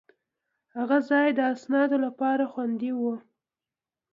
هغه ځای د اسنادو لپاره خوندي و.